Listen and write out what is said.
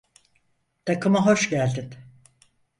Takıma hoş geldin.